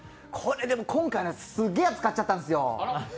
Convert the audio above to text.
でも今回のやつ、すげえ使っちゃったんですよ。